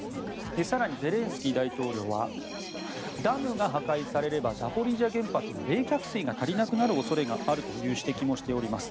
更にゼレンスキー大統領はダムが破壊されればザポリージャ原発の冷却水が足りなくなる恐れがあるという指摘もしております。